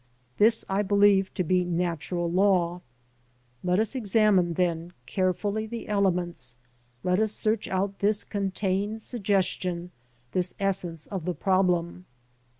This I believe to be natural law. Let us examine, then, carefully the elements, let us search out this contained suggestion, this essence of the problem.